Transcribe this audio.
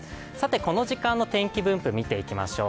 この時間の天気分布見ていきましょう。